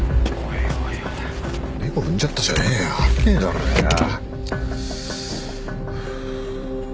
猫踏んじゃったじゃねえよ危ねえだろうよ。